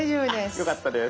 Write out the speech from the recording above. よかったです。